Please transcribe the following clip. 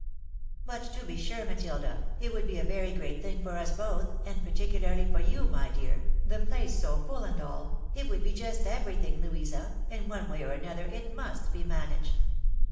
But, to be sure, Matilda, it would be a very great thing for us both, and par ticularly for you, my dear. The place so full and all !"" It would be just everything, Louisa ! and one way or another it must be managed.